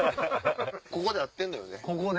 ここで合ってんのよね？